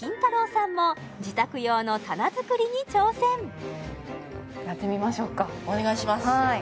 さんも自宅用のやってみましょうかお願いします